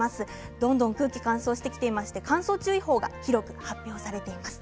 どんどん空気が乾燥してきていまして乾燥注意報が広く発表されています。